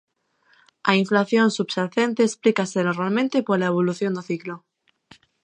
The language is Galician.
A inflación subxacente explícase normalmente pola evolución do ciclo.